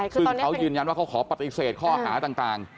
ซึ่งเขายืนยันว่าเขาขอปฏิเสธข้อหาต่าง